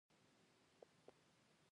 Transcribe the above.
تحلیلي او ریاضیکي موډل یو ډول دی.